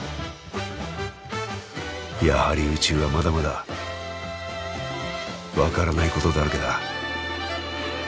やはり宇宙はまだまだ分からないことだらけだ。